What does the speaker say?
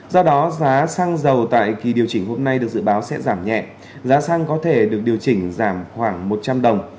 do đó giá xăng dầu tại kỳ điều chỉnh hôm nay được dự báo sẽ giảm nhẹ giá xăng có thể được điều chỉnh giảm khoảng một trăm linh đồng